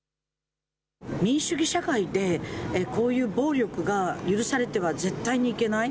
民主主義社会でこういう暴力が許されては絶対にいけない。